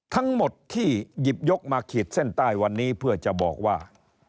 ทั้งหมดที่หยิบยกมาขีดเส้นใต้วันนี้เพื่อจะบอกว่า